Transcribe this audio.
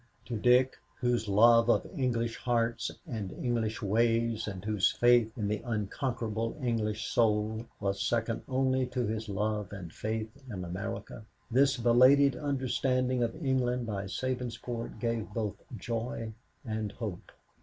To Dick, whose love of English hearts and English ways and whose faith in the unconquerable English soul was second only to his love and faith in America, this belated understanding of England by Sabinsport gave both joy and hope.